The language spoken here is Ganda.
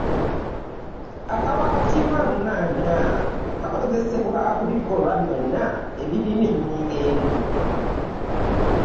Akawakatirwa ; -ngana- kakozesebwa ku bikolwa byonna ebirina enyingo emu .